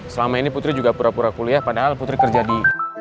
selama ini putri juga pura pura kuliah padahal putri kerja di